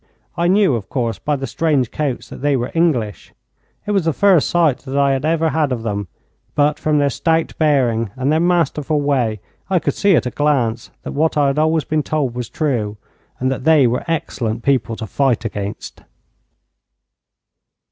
I knew, of course, by the strange coats that they were English. It was the first sight that I had ever had of them, but from their stout bearing and their masterful way I could see at a glance that what I had always been told was true, and that they were excellent people to fight against.